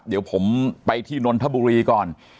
เดี๋ยวผมไปที่นนทบุรีก่อน